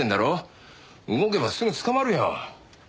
動けばすぐ捕まるよ。